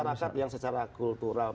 di tengah masyarakat yang secara kultural